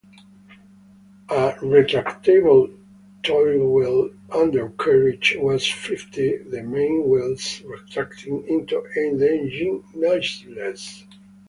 A retractable tailwheel undercarriage was fitted, the mainwheels retracting into the engine nacelles.